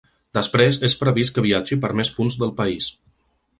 Després és previst que viatgi per més punts del país.